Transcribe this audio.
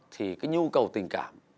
thì cái nhu cầu tình cảm